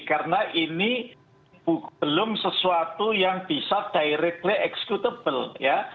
karena ini belum sesuatu yang bisa directly executable ya